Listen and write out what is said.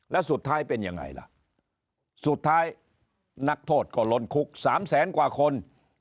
แล้วสุดท้ายเป็นยังไงล่ะสุดท้ายนักโทษก็ล้นคุก๓แสนกว่าคน